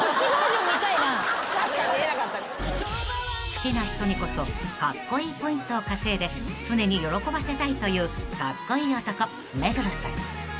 ［好きな人にこそカッコいいポイントを稼いで常に喜ばせたいというカッコイイ男目黒さん］